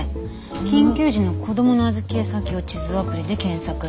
緊急時の子どもの預け先を地図アプリで検索。